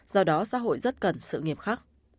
do đó xã hội rất cần sự nghiệp khác